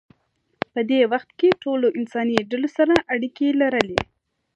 په دې وخت کې ټولو انساني ډلو سره اړیکې لرلې.